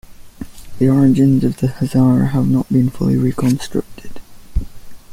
The origins of the Hazara have not been fully reconstructed.